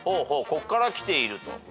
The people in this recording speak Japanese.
こっからきていると。